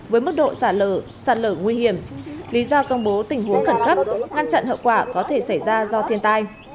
với mức độ xả lở sạt lở nguy hiểm lý do công bố tình huống khẩn cấp ngăn chặn hậu quả có thể xảy ra do thiên tai